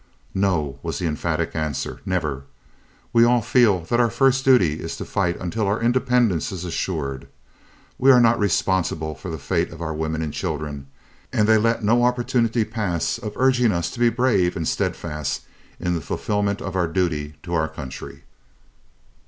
"No," was the emphatic answer "never. We all feel that our first duty is to fight until our independence is assured. We are not responsible for the fate of our women and children, and they let no opportunity pass of urging us to be brave and steadfast in the fulfilment of our duty to our country.